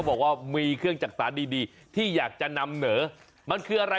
แต่คือขัดแตะอย่างงี้หรอ